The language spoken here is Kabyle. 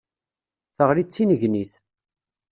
Teɣli d tinnegnit.